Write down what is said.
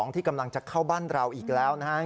ที่กำลังจะเข้าบ้านเราอีกแล้วนะครับ